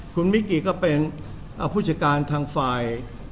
คุณมิกกีก็เป็นผู้จัดการทางฝ่าย